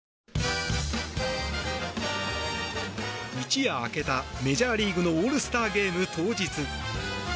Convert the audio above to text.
一夜明けたメジャーリーグのオールスターゲーム当日。